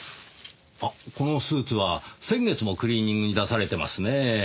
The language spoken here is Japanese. あっこのスーツは先月もクリーニングに出されてますねぇ。